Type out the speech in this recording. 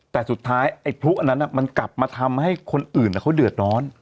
แต่สุดท้ายไอ้พลุอันนั้นมันกลับมาทำให้คนอื่นเขาเดือดร้อน